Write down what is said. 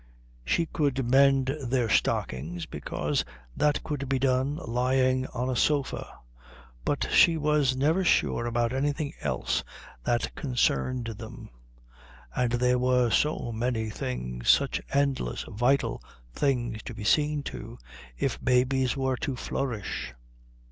She could mend their stockings, because that could be done lying on a sofa, but she was never sure about anything else that concerned them. And there were so many things, such endless vital things to be seen to if babies were to flourish.